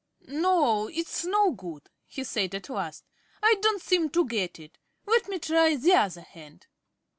"No, it's no good," he said at last. "I don't seem to get it. Let me try the other hand."